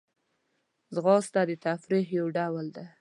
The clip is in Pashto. ځغاسته د تفریح یو ډول دی